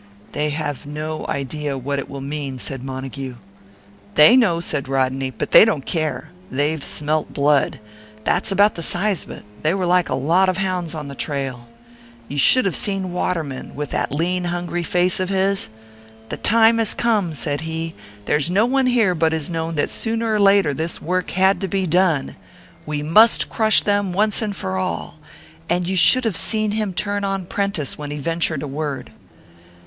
"They have no idea what it will mean," said Montague. "They know," said Rodney; "but they don't care. They've smelt blood. That's about the size of it they were like a lot of hounds on the trail. You should have seen Waterman, with that lean, hungry face of his. 'The time has come,' said he. 'There's no one here but has known that sooner or later this work had to be done. We must crush them, once and for all time!' And you should have seen him turn on Prentice, when he ventured a word."